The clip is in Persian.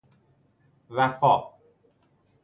وفاء